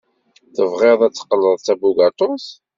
Tebɣiḍ ad teqqleḍ d tabugaṭut.